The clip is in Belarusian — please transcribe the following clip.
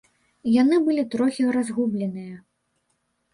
Яны былі трохі разгубленыя.